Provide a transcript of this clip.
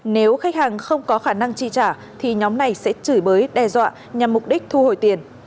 nếu khách hàng không có khả năng chi trả thì nhóm này sẽ chửi bới đe dọa nhằm mục đích thu hồi tiền